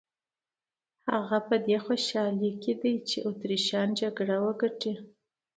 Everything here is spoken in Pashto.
هغه په دې خوشاله دی چې اتریشیان جګړه وګټي.